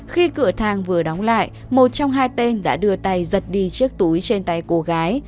khi cửa hàng vừa đóng lại một trong hai tên đã đưa tay giật đi chiếc túi trên tay cô gái